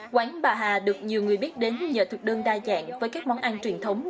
quán bà hà được nhiều người biết đến nhờ thực đơn đa dạng với các món ăn truyền thống